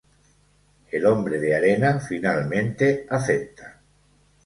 El Hombre de Arena finalmente acepta.